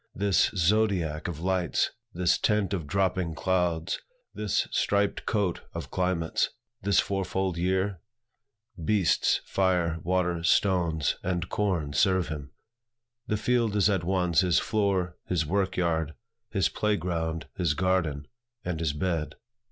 this zodiac of lights, this tent of dropping clouds, this striped coat of climates, this fourfold year? Beasts, fire, water, stones, and corn serve him. The field is at once his floor, his work yard, his play ground, his garden, and his bed.